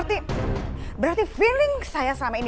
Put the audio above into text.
maksudnya kayak gimana afi selamanya